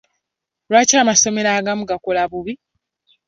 Lwaki amasomero agamu gakola bubi?